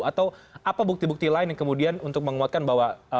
atau apa bukti bukti lain yang kemudian untuk menguatkan bahwa